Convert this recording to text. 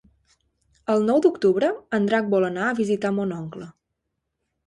El nou d'octubre en Drac vol anar a visitar mon oncle.